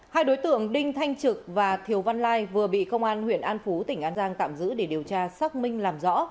hai đối tượng đinh thanh trực và thiều văn lai vừa bị công an huyện an phú tỉnh an giang tạm giữ để điều tra xác minh làm rõ